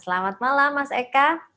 selamat malam mas eka